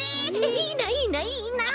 いいないいないいな！